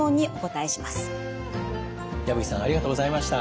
矢吹さんありがとうございました。